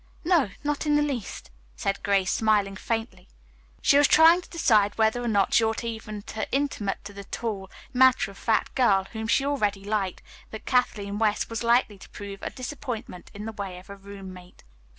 "No, not in the least," said Grace, smiling faintly. She was trying to decide whether or not she ought even to intimate to the tall, matter of fact girl, whom she already liked, that Kathleen West was likely to prove a disappointment in the way of a roommate.